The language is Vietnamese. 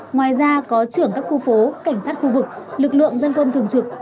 ngoài ra có trưởng các khu phố cảnh sát khu vực lực lượng dân quân thường trực